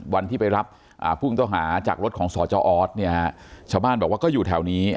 วันที่ไปรับผู้ต้องหาจากรถของสจออสเนี่ยฮะชาวบ้านบอกว่าก็อยู่แถวนี้